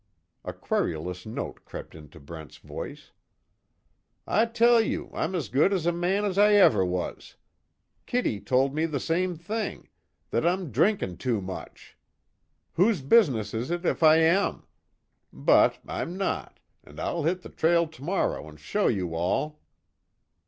A querulous note crept into Brent's voice, "I tell you I'm as good a man as I ever was! Kitty told me the same thing that I'm drinking too much! Whose business is it if I am? But, I'm not, and I'll hit the trail tomorrow and show you all!"